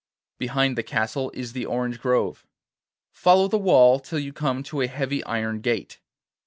Behind the castle is the orange grove. Follow the wall till you come to a heavy iron gate.